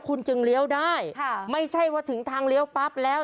คุณจึงเลี้ยวได้ค่ะไม่ใช่ว่าถึงทางเลี้ยวปั๊บแล้ว